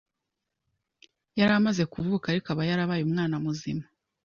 yaramaze kuvuka ariko aba yarabaye umwana muzima.